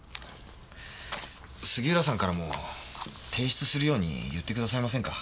杉浦さんからも提出するように言ってくださいませんか？